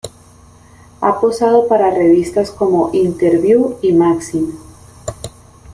Ha posado para revistas como "Interviú" y "Maxim".